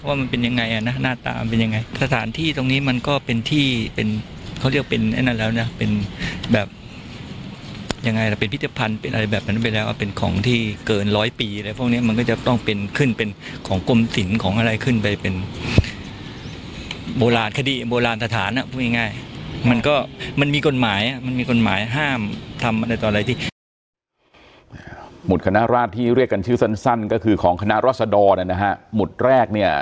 ว่ามันเป็นยังไงอ่ะนะหน้าตามันเป็นยังไงสถานที่ตรงนี้มันก็เป็นที่เป็นเขาเรียกเป็นไอ้นั่นแล้วนะเป็นแบบยังไงล่ะเป็นพิธีพันธุ์เป็นอะไรแบบนั้นไปแล้วว่าเป็นของที่เกินร้อยปีอะไรพวกนี้มันก็จะต้องเป็นขึ้นเป็นของกลมสินของอะไรขึ้นไปเป็นโบราณคดีโบราณสถานอ่ะพูดง่ายง่ายมันก็มันมีกฎ